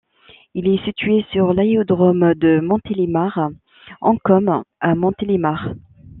Il est situé sur l'aérodrome de Montélimar-Ancône à Montélimar.